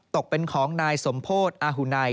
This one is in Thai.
ตกเป็นของนายสมโพธิอาหุนัย